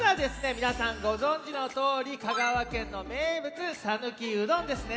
みなさんごぞんじのとおり香川県の名物さぬきうどんですね。